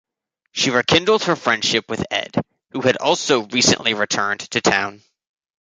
She rekindled her friendship with Ed, who had also recently returned to town.